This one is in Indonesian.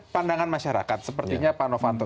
pandangan masyarakat sepertinya pak novanto